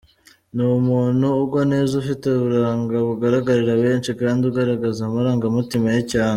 Ni umuntu ugwa neza, ufite uburanga bugaragarira benshi kandi ugaragaza amarangamutima ye cyane.